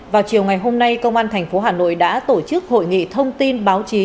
vào chiều ngày hôm nay công an tp hà nội đã tổ chức hội nghị thông tin báo chí